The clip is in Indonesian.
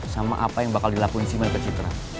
sama apa yang bakal dilakuin si mereka citra